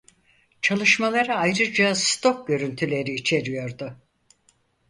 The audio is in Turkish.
Çalışmaları ayrıca stok görüntüleri içeriyordu.